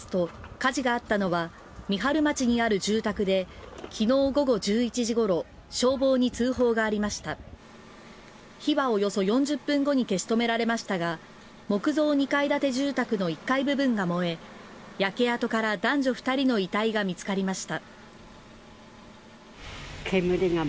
火はおよそ４０分後に消し止められましたが木造２階建て住宅の１階部分が燃え焼け跡から男女２人の遺体が見つかりました。